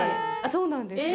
そうなんですよ